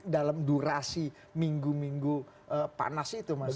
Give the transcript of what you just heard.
dalam durasi minggu minggu panas itu mas